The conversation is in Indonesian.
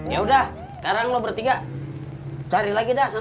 ya udah sekarang lu bertiga cari lagi dah seneng